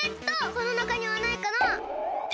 このなかにはないかな？